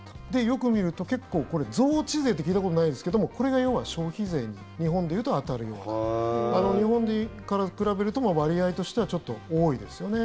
よく見ると結構増値税って聞いたことないですがこれが要は消費税に日本で言うと当たるような日本から比べると割合としてはちょっと多いですよね。